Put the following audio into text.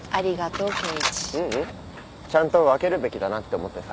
ううん。ちゃんと分けるべきだなって思ってさ。